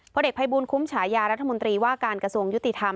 เด็กภัยบูลคุ้มฉายารัฐมนตรีว่าการกระทรวงยุติธรรม